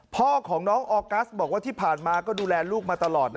พ่อของน้องออกัสบอกว่าที่ผ่านมาก็ดูแลลูกมาตลอดนะ